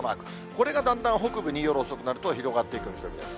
これがだんだん北部に夜遅くなると、広がってくるというわけです。